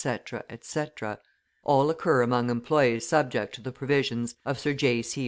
etc., all occur among employees subject to the provisions of Sir J. C.